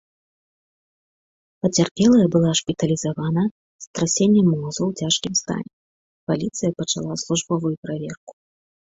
Пацярпелая была шпіталізавана з страсеннем мозгу ў цяжкім стане, паліцыя пачала службовую праверку.